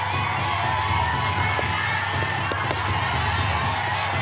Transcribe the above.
เดี๋ยวเบิร์ด